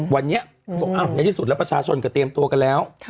วันนี้อย่างที่สุดประชาชนเขาเตรียมตัวกันแล้ว